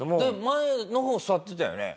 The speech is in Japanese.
前の方座ってたよね？